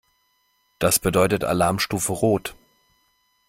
Das bedeutet Alarmstufe Rot.